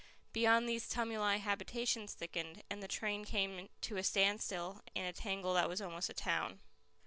Beyond these tumuli habitations thickened, and the train came to a standstill in a tangle that was almost a town.